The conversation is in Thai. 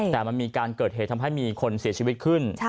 แต่มันมีการเกิดเหตุทำให้มีคนเสียชีวิตขึ้น